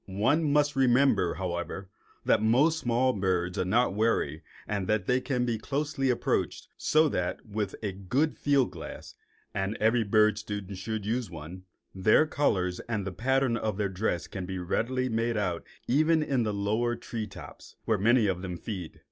One must remember, however, that most small birds are not wary and that they may be closely approached, so that, with a good field glass (and every bird student should use one) their colors and the pattern of their dress can readily be made out even in the lower tree tops, where many of them feed.